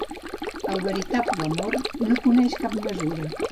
El veritable amor no coneix cap mesura